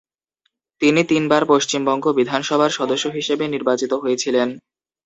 তিনি তিন বার পশ্চিমবঙ্গ বিধানসভার সদস্য হিসেবে নির্বাচিত হয়েছিলেন।